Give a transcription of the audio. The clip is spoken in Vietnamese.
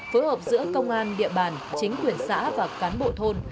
phối hợp giữa công an địa bàn chính quyền xã và cán bộ thôn